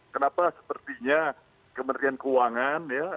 kenapa sepertinya kementerian keuangan